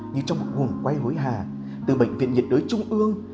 như trong một nguồn quay hối hà từ bệnh viện nhiệt đới trung ương